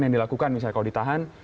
yang dilakukan misalnya kalau ditahan